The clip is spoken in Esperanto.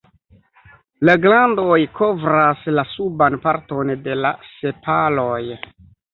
La glandoj kovras la suban parton de la sepaloj.